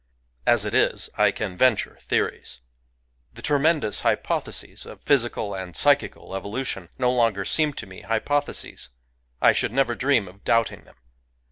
As it is, I can venture theories. The tremendous hypotheses of physical and psychical evolution no longer seem to me hypothe ses: I should never dream of doubting them.